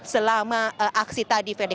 selama aksi tadi verdi